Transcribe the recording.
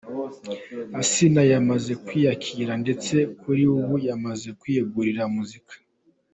Asinah yamaze kwiyakira ndetse kuri ubu yamaze kwiyegurira muzika